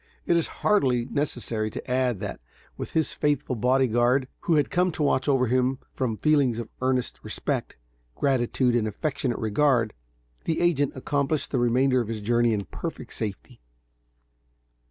It is hardly necessary to add that with his faithful body guard who had come to watch over him from feelings of earnest respect, gratitude and affectionate regard, the agent accomplished the remainder of his journey in perfect safety.